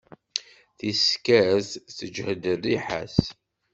Tiskert teǧhed rriḥa-s.